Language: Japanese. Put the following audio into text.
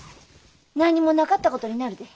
何もなかったことになるで。